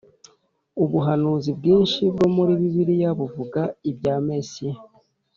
Ubuhanuzi bwinshi bwo muri Bibiliya buvuga ibya Mesiya